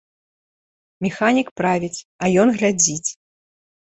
Механік правіць, а ён глядзіць.